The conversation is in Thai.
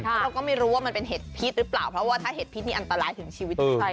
เพราะเราก็ไม่รู้ว่ามันเป็นเห็ดพิษหรือเปล่าเพราะว่าถ้าเห็ดพิษนี่อันตรายถึงชีวิตใคร